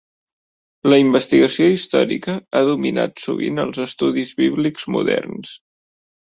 La investigació històrica ha dominat sovint els estudis bíblics moderns.